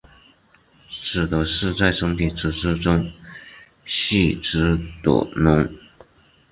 指的是在身体组织中蓄积的脓。